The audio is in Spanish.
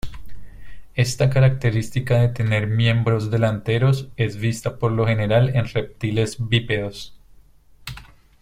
Esta característica de tener miembros delanteros es vista por lo general en reptiles bípedos.